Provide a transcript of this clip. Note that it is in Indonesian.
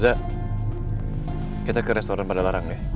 dak kita ke restoran pada larang nih